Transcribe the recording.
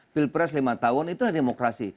pilpres lima tahun itu adalah demokrasi